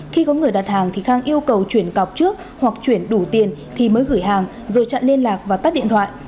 khi có người đặt hàng thì khang yêu cầu chuyển cọc trước hoặc chuyển đủ tiền thì mới gửi hàng rồi chặn liên lạc và tắt điện thoại